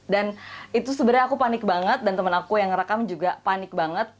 dan itu sebenarnya aku panik banget dan temen aku yang rekam juga panik banget